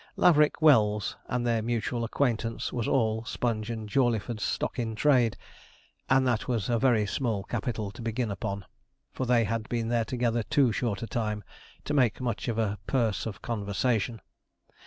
Laverick Wells and their mutual acquaintance was all Sponge and Jawleyford's stock in trade; and that was a very small capital to begin upon, for they had been there together too short a time to make much of a purse of conversation.